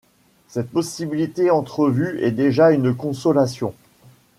Cette possibilité entrevue est déjà une consolation.